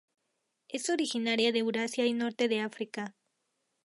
Es originaria de Eurasia y Norte de África.